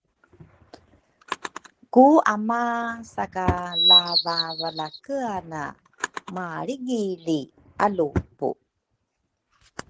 ku ama sa ka lavavalakeana malrigili alupu.